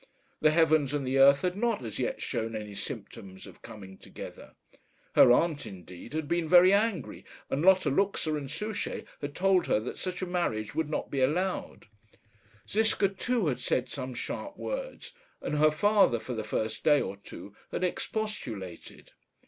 The heavens and the earth had not as yet shown any symptoms of coming together. Her aunt, indeed, had been very angry; and Lotta Luxa and Souchey had told her that such a marriage would not be allowed. Ziska, too, had said some sharp words; and her father, for the first day or two, had expostulated.